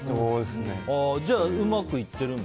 じゃあ、うまくいってるんだ。